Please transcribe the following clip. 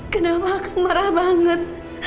kenapa kang marah banget